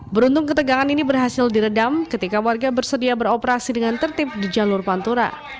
beruntung ketegangan ini berhasil diredam ketika warga bersedia beroperasi dengan tertib di jalur pantura